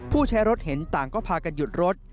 ผู้ใช้รถเห็นต่างก็พากันหยุดรถ